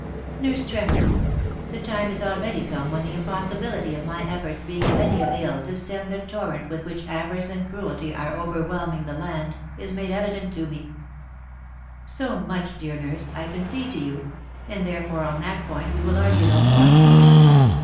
" Nurse Tremlett! the time is already come when the impossibility of my efforts being of any avail to stem the torrent with which avarice and cruelty are overwhelming the land, is made evident to me. So much, dear nurse, I concede to you, and therefore on that point we will argue no more.